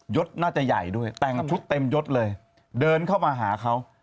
น่าจะใหญ่ด้วยแต่งชุดเต็มยดเลยเดินเข้ามาหาเขา